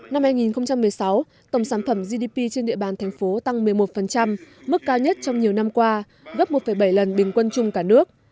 năm hai nghìn một mươi sáu tổng sản phẩm gdp trên địa bàn thành phố tăng một mươi một mức cao nhất trong nhiều năm qua gấp một bảy lần bình quân chung cả nước